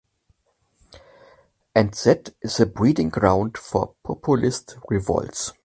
And that is the breeding ground for populist revolts.